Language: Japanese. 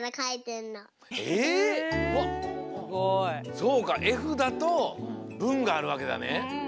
そうかえふだとぶんがあるわけだね。